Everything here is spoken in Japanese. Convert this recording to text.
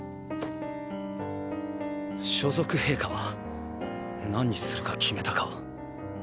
所属兵科は何にするか決めたか？